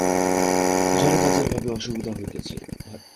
ঘরে কাজের ভারি অসুবিধা হইতেছে।